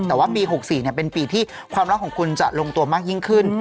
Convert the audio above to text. แต่ว่าปี๖๔เป็นปีที่ความรักของคุณจะลงตัวมากยิ่งขึ้น